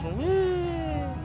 tidak ada gua